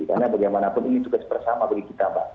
karena bagaimanapun ini juga bersama bagi kita mbak